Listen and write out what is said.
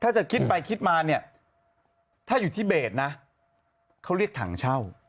ถ้าจะคิดไปคิดมาเนี่ยถ้าอยู่ที่เบสนะเขาเรียกถังเช่า